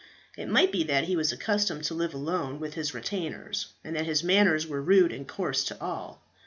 It might be that he was accustomed to live alone with his retainers, and that his manners were rude and coarse to all.